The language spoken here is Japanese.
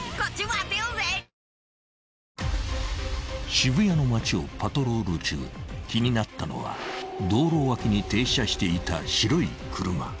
［渋谷の街をパトロール中気になったのは道路脇に停車していた白い車］